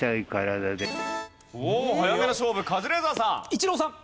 おお早めの勝負カズレーザーさん。